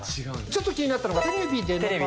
ちょっと気になったのが。